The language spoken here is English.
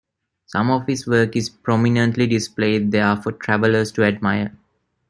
Some of his work is prominently displayed there for travellers to admire.